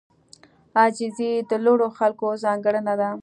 عاجزي د لوړو خلکو ځانګړنه ده.